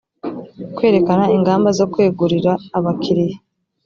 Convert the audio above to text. kwerekana ingamba zo kwegurira abakiriya